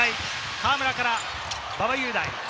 河村から馬場雄大。